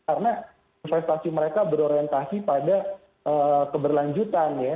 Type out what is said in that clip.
karena investasi mereka berorientasi pada keberlanjutan ya